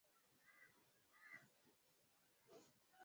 Lakini mwaka elfu mbili ishirini na mbili